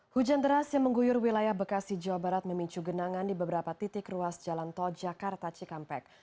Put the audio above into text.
hujan deras yang mengguyur wilayah bekasi jawa barat memicu genangan di beberapa titik ruas jalan tol jakarta cikampek